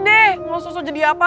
kamu harus jadi apa